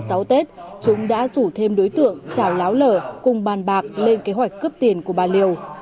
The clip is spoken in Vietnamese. sau tết chúng đã rủ thêm đối tượng trào láo lở cùng bàn bạc lên kế hoạch cướp tiền của bà liều